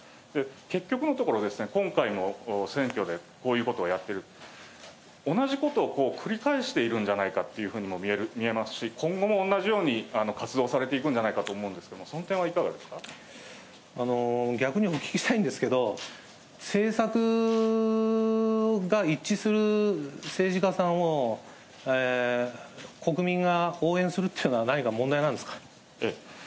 結局のところ、今回の選挙でこういうことをやってる、同じことを繰り返しているんじゃないかっていうふうにも見えますし、今後も同じように活動されていくんじゃないかと思うんですけれど逆にお聞きしたいんですけど、政策が一致する政治家さんを、国民が応援するっていうのは、何か問題なんですか。